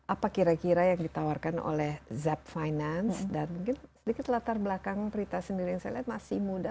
apa kira kira yang ditawarkan oleh zeb finance dan mungkin sedikit latar belakang prita sendiri yang saya lihat masih muda